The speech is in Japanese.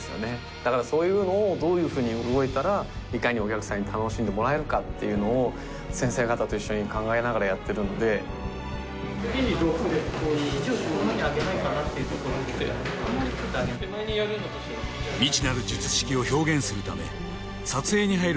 だからそういうのをどういうふうに動いたらいかにお客さんに楽しんでもらえるかっていうのを先生方と一緒に考えながらやってるので肘をこういうふうに上げないかなって未知なる術式を表現するため撮影に入る